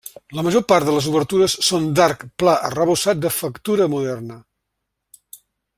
La major part de les obertures són d'arc pla arrebossat de factura moderna.